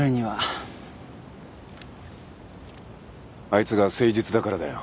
あいつが誠実だからだよ。